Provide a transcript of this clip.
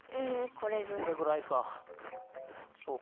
これぐらいか。